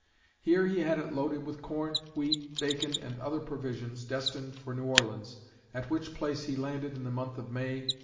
Here he had it loaded with corn, wheat, bacon, and other provisions destined for New Orleans, at which place he landed in the month of May, 1831.